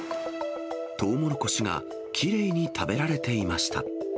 トウモロコシがきれいに食べられていました。